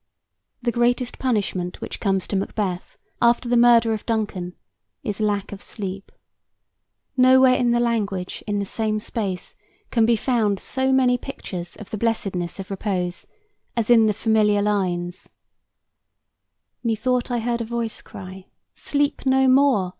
The greatest punishment which comes to Macbeth after the murder of Duncan is lack of sleep. Nowhere in the language, in the same space, can be found so many pictures of the blessedness of repose as in the familiar lines: "Methought I heard a voice cry, 'Sleep no more!